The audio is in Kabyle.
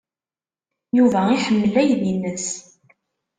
Yuba iḥemmel aydi-nnes.